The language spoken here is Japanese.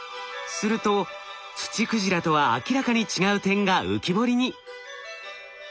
するとツチクジラとは明らかに違う点が浮き彫りに。